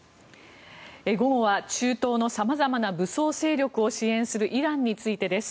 午後は中東の様々な武装勢力を支援するイランについてです。